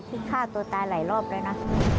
คิดฆ่าตัวตายหลายรอบเลยนะ